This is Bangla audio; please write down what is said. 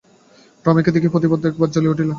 রমাইকে দেখিয়াই প্রতাপাদিত্য একেবারে জ্বলিয়া উঠিলেন।